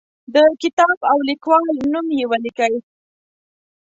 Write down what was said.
د کتاب او لیکوال نوم یې ولیکئ.